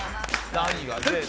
何が出る？」